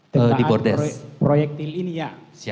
tembakan proyektil ini ya